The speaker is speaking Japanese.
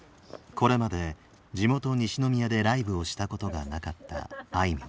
これまで地元西宮でライブをしたことがなかったあいみょん。